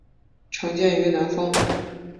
常见于南方。